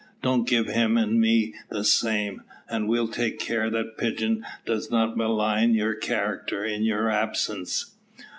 Don't give him and me the same, and we'll take care that Pigeon does not malign your character in your absence."